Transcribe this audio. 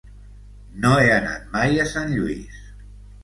No he anat mai a Sant Lluís.